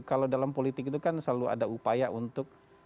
kalau dalam politik itu kan selalu ada upaya untuk